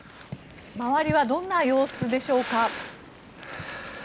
周りはどんな様子でしょうか？